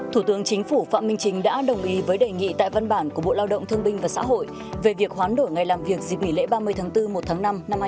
thủ tướng chính phủ phạm minh chính đã đồng ý với đề nghị tại văn bản của bộ lao động thương binh và xã hội về việc hoán đổi ngày làm việc dịp nghỉ lễ ba mươi tháng bốn một tháng năm năm hai nghìn hai mươi